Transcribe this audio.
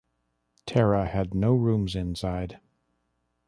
Tara had no rooms inside.